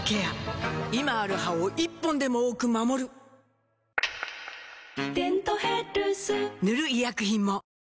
今ある歯を１本でも多く守る「デントヘルス」塗る医薬品も